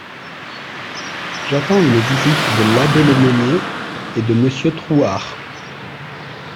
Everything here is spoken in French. J'attends une visite de l'abbé Le Monnier et de Monsieur Trouard.